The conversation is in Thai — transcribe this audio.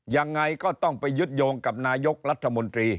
ยังไงก็ต้องไปยึดโยงกับนายกรัฐมนตรี